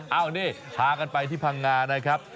เอานี่พากันไปที่พังงานะครับ